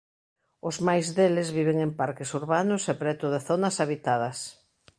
Os máis deles viven en parques urbanos e preto de zonas habitadas.